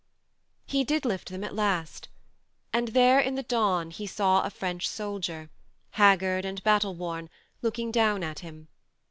He did lift them at last ; and there in the dawn he saw a French soldier, haggard and battle worn, looking down at him.